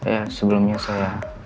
ya sebelumnya saya